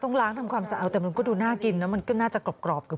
ต้องล้างทำความสะเอาแต่มันก็ดูน่ากินมันก็น่าจะกรอบ